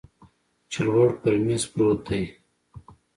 چې لوړ پر میز پروت دی